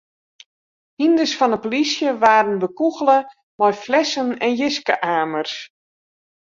Hynders fan de polysje waarden bekûgele mei flessen en jiske-amers.